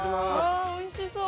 わあおいしそう。